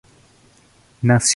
Nació en Victoria de Durango.